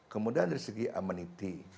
kemudian dari segi ameniti